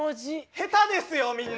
下手ですよみんな！